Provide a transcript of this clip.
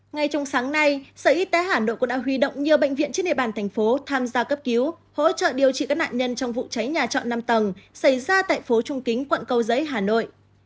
ngay trong sáng nay sở y tế hà nội cũng đã huy động nhiều bệnh viện trên địa bàn thành phố tham gia cấp cứu hỗ trợ điều trị các nạn nhân trong vụ cháy nhà trọ năm tầng xảy ra tại phố trung kính quận câu giấy hà nội